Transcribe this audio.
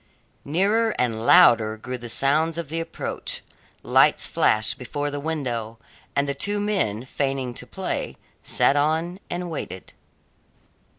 Nearer and louder grew the sounds of the approach, lights flashed before the window, and the two men, feigning to play, sat on and waited.